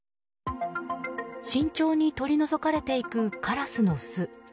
慎重に取り除かれていくカラスの巣。